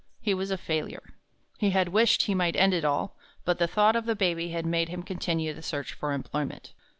He was a failure. He had wished he might end it all, but the thought of the Baby had made him continue the search for employment.